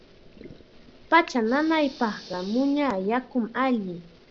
Pacha nanaypaqqa muña yakum alli.